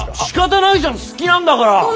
しかたないじゃん好きなんだから。